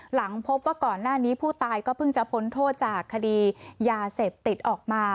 หลังพบว่าก่อนหน้านี้ผู้ตายก็เพิ่งจะพ้นโทษจากคดียาเสพติดออกมา